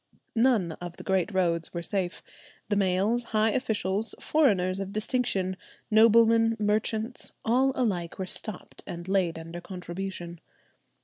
None of the great roads were safe: the mails, high officials, foreigners of distinction, noblemen, merchants, all alike were stopped and laid under contribution.